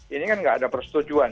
ini kan nggak ada persetujuan